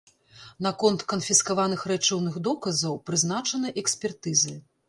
Наконт канфіскаваных рэчыўных доказаў прызначаны экспертызы.